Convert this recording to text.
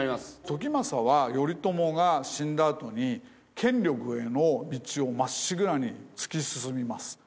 時政は頼朝が死んだ後に権力への道をまっしぐらに突き進みます。